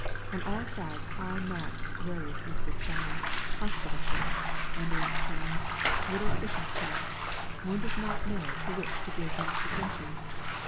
On all sides high masts rose into the sky; hospital ships, ambulance trains, little fishing smacks, one does not know to which to give most attention.